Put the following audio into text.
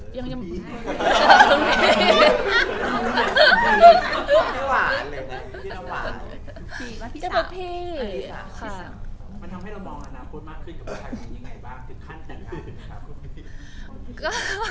อะอย่างน้องยังไม่เรียกละ